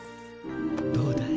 どうだい？